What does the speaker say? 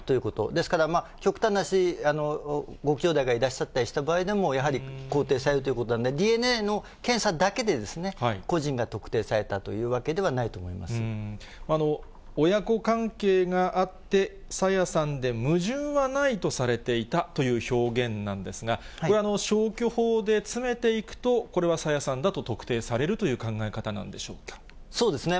ですから、極端な話、ごきょうだいがいらっしゃったりした場合でも、肯定されるということなので、ＤＮＡの検査だけで個人が特定されたというわけでは親子関係があって、朝芽さんで矛盾はないとされていたという表現なんですが、これは消去法で詰めていくと、これは朝芽さんだと特定されるという考え方なんでそうですね。